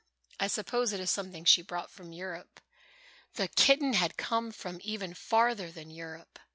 I suppose it is something she brought from Europe." The kitten had come from even farther than Europe!